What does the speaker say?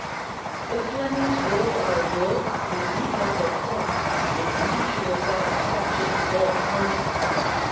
The Flemings wove our wool and we bought their cloth, to the mutual satisfaction of both parties.